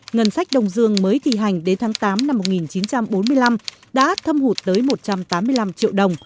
ngân sách đông dương mới thi hành đến tháng tám năm một nghìn chín trăm bốn mươi năm đã thâm hụt tới một trăm tám mươi năm triệu đồng